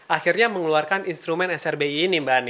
akhirnya mengeluarkan instrumen srbi ini